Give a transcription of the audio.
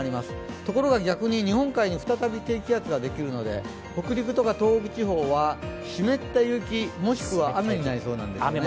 ところが逆に日本海に再び低気圧ができるので、北陸とか東北地方は湿った雪、もしくは雨になりそうなんです。